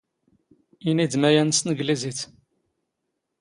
ⵉⵏⵉ ⴷ ⵎⴰⵢⴰⵏⵏ ⵙ ⵜⵏⴳⵍⵉⵣⵉⵜ.